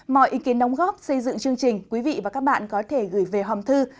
mọi ý kiến đóng góp xây dựng chương trình quý vị và các bạn có thể gửi về hòm thư